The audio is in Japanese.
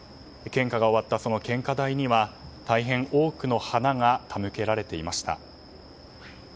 献花が終わった献花台には大変、多くの花が手向けられていました。